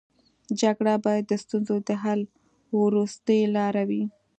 جګړه باید د ستونزو د حل وروستۍ لاره وي